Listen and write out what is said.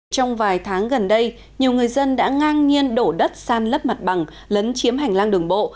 trong vài tháng gần đây nhiều người dân đã ngang nhiên đổ đất san lấp mặt bằng lấn chiếm hành lang đường bộ